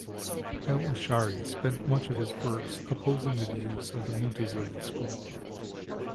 Al-Ash'ari spent much of his works opposing the views of the Mu'tazili school.